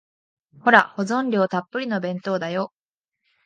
ほら、保存料たっぷりの弁当だよ。